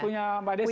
punya mbak desi